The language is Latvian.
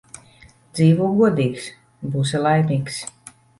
Dzīvo godīgs – būsi laimīgs